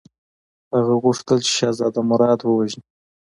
هغه غوښتل چې شهزاده مراد ووژني.